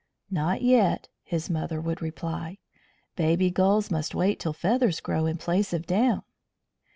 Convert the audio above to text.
"Not yet," his mother would reply. "Baby gulls must wait till feathers grow in place of down."